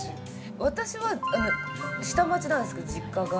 私は下町なんですけど実家が。